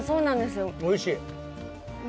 おいしい。